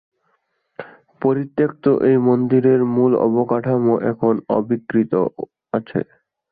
পরিত্যক্ত এই মন্দিরের মূল অবকাঠামো এখনো অবিকৃত আছে।